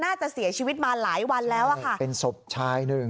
น่าจะเสียชีวิตมาหลายวันแล้วว่าค่ะ